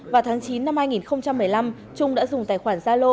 vào tháng chín năm hai nghìn một mươi năm trung đã dùng tài khoản zalo